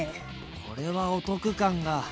これはお得感が。